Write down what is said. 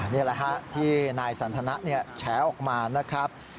นี่แหละฮะที่นายสันทนะแฉออกมานะครับ